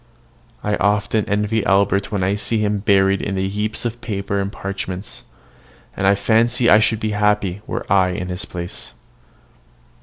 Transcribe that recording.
I often envy Albert when I see him buried in a heap of papers and parchments, and I fancy I should be happy were I in his place.